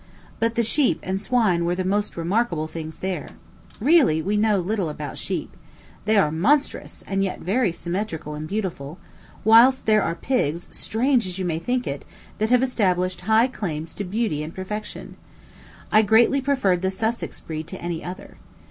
But the sheep and swine were the most remarkable things there. Really, we know little about sheep. They are monstrous, and yet very symmetrical and beautiful; whilst there are pigs, strange as you may think it, that have established high claims to beauty and perfection. I greatly preferred the Sussex breed to any other.